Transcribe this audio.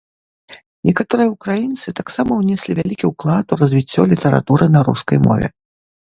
Некаторыя ўкраінцы таксама ўнеслі вялікі ўклад у развіццё літаратуры на рускай мове.